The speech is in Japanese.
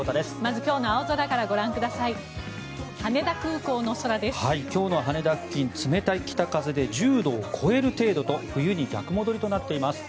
今日の羽田付近冷たい北風で１０度を超える程度と冬に逆戻りとなっています。